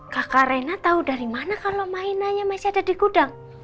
kakak rena tahu dari mana kalau mainannya masih ada di gudang